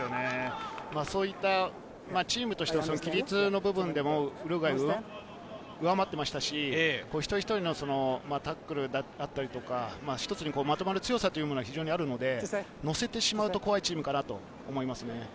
そういったチームとしての規律の部分でも、ウルグアイは上回ってましたし、一人一人のタックルだったりとか、一つにまとまる強さというものが非常にあるので、乗せてしまうと怖いチームかなと思います。